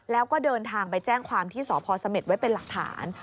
แล้วก็เดินทางไปแจ้งความที่สพเสม็ดไว้เป็นหลักฐาน